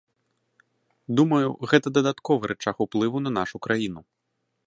Думаю, гэта дадатковы рычаг уплыву на нашу краіну.